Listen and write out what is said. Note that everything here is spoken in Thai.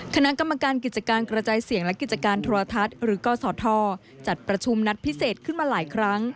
คณะกรรมการกิจการกระจายเสียงและกิจการโทรทัศน์หรือกศธจัดประชุมนัดพิเศษขึ้นมาหลายครั้ง